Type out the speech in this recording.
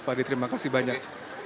pak dedy terima kasih banyak